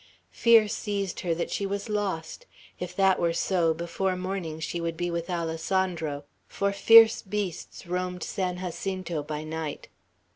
Fear seized her that she was lost. If that were so, before morning she would be with Alessandro; for fierce beasts roamed San Jacinto by night.